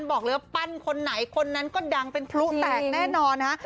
บอกเลยว่าปั้นคนไหนคนนั้นก็ดังเป็นพลุแตกแน่นอนนะฮะ